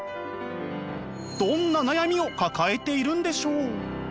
どんな悩みを抱えているんでしょう？